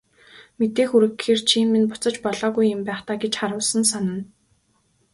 Мэдээ хүргэхээр чи минь буцаж болоогүй юм байх даа гэж харуусан санана.